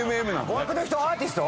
５枠の人アーティスト？